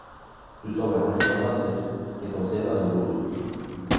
Sus obras más importantes se conservan en Burgos.